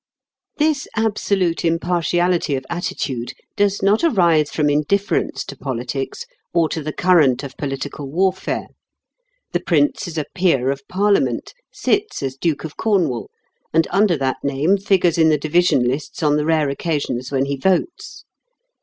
This absolute impartiality of attitude does not arise from indifference to politics or to the current of political warfare. The Prince is a Peer of Parliament, sits as Duke of Cornwall, and under that name figures in the division lists on the rare occasions when he votes.